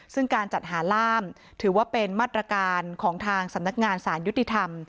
ซึ่งการจัดหาล่ามถือว่าเป็นมาตรการของทางสำนักงานสารยุติธรรม